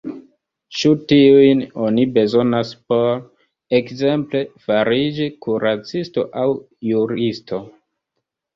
Ĉu tiujn oni bezonas por, ekzemple, fariĝi kuracisto aŭ juristo?